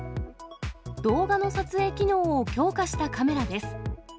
動画の撮影機能を強化したカメラです。